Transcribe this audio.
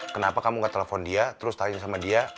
kenapa kamu gak telepon dia terus tanyain sama dia